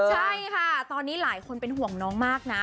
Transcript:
ใช่ค่ะตอนนี้หลายคนเป็นห่วงน้องมากนะ